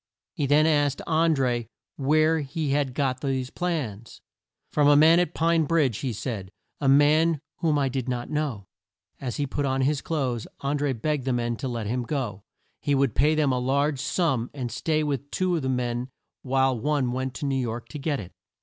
He then asked An dré where he had got these plans. "From a man at Pine Bridge" he said; "a man whom I did not know." As he put on his clothes An dré begged the men to let him go. He would pay them a large sum, and stay with two of the men while one went to New York to get it.